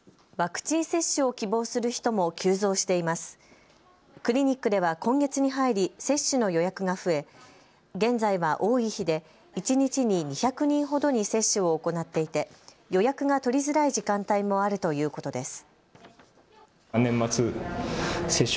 クリニックでは今月に入り接種の予約が増え現在は多い日で一日に２００人ほどに接種を行っていて予約が取りづらい時間帯もあるということです。